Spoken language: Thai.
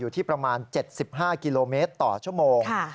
อยู่ที่ประมาณ๗๕กิโลเมตรต่อชั่วโมง